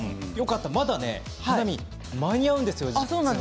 まだ花見、間に合うんです。